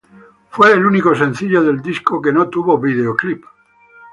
Fue el único sencillo del disco que no tuvo videoclip.